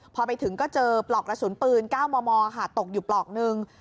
พอไปถึงก็เจอปลอกกระสุนปืน๙มมตกอยู่ปลอกนึง